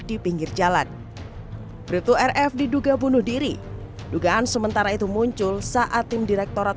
di pinggir jalan bripto rf diduga bunuh diri dugaan sementara itu muncul saat tim direktorat